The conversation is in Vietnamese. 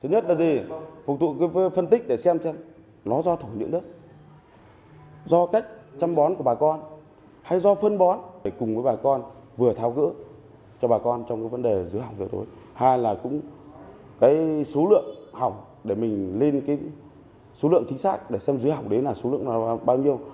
hai là cũng cái số lượng hỏng để mình lên cái số lượng chính xác để xem dứa hỏng đấy là số lượng là bao nhiêu